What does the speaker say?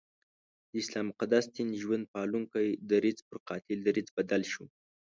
د اسلام مقدس دین ژوند پالونکی درځ پر قاتل دریځ بدل شو.